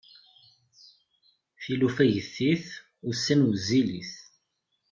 Tilufa ggtit, ussan wezzilit.